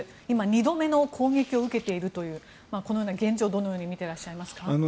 今、２度目の攻撃を受けているという現状をどのように見ていらっしゃいますか？